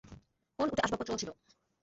কোন উটে আসবাবপত্রও ছিল।